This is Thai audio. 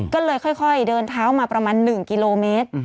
ก็เลยค่อยเดินเท้ามาประมาณ๑กิโลเมตร